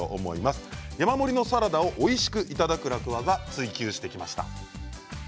山盛りのサラダをおいしくいただく楽ワザ、追求しました。